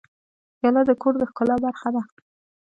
پیاله د کور د ښکلا برخه ده.